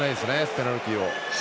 ペナルティーを。